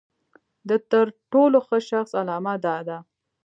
د تر ټولو ښه شخص علامه دا ده.